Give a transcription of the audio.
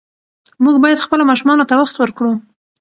موږ باید خپلو ماشومانو ته وخت ورکړو.